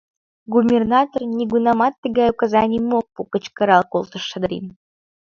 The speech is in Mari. Губернатор нигунамат тыгай указанийым ок пу! — кычкырал колтыш Шадрин.